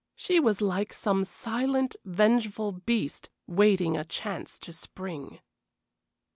She was like some silent, vengeful beast waiting a chance to spring.